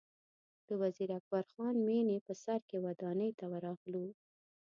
د وزیر اکبر خان مېنې په سر کې ودانۍ ته ورغلو.